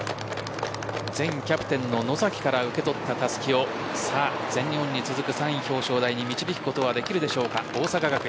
前キャプテンの野崎から受け取ったたすきを全日本に続く３位表彰台に導けるでしょうか、大阪学院。